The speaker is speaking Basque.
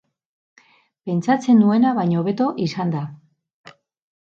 Pentsatzen nuena baino hobeto izan da.